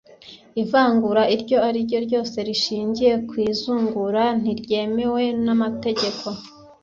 ivangura iryo ari ryo ryose rishingiye ku izungura ntiryemewe n'amategeko